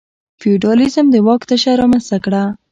فیوډالېزم د واک تشه رامنځته کړه.